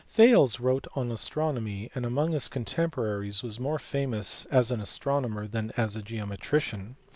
Thales wrote an astronomy, and among his contemporaries was more famous as an astronomer than as a geometrician.